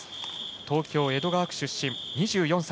東京江戸川区出身の２４歳。